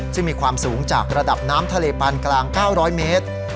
ซึ่งมีความสูงจากระดับน้ำทะเลปานกลาง๙๐๐เมตร